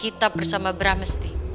kita bersama bramesti